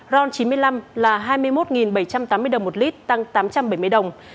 ron chín mươi năm là hai mươi một bảy trăm tám mươi đồng một lít tăng tám trăm bảy mươi đồng